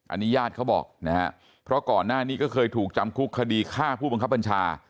อันนี้ญาติเขาบอกนะฮะเพราะก่อนหน้านี้ก็เคยถูกจำคุกคดีฆ่าผู้บังคับบัญชา